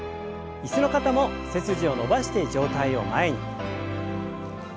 椅子の方も背筋を伸ばして上体を前に。